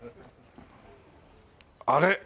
あれ？